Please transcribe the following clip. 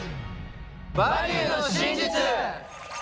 「バリューの真実」！